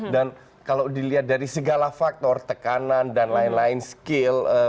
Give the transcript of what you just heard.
dan kalau dilihat dari segala faktor tekanan dan lain lain skill